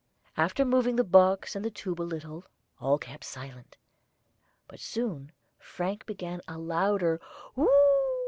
After moving the box and the tube a little all kept silent, but soon Frank began a louder "Oo oo oo!"